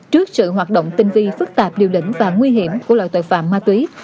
trước sự hoạt động tinh vi phức tạp điều lĩnh và nguy hiểm của loại tội phạm ma túy